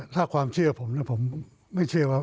ถ้าความเชื่อผมผมไม่เชื่อว่า